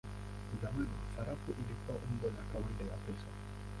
Zamani sarafu ilikuwa umbo la kawaida ya pesa.